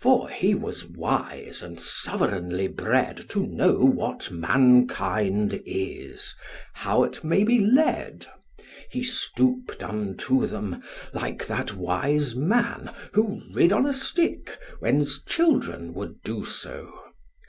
For he was wise and sovereignly bred To know what mankind is, how 't may be led: He stoop'd unto them, like that wise man, who Rid on a stick, when 's children would do so.